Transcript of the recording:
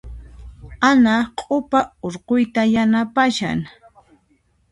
Ana q'upa hurquyta yanapashan.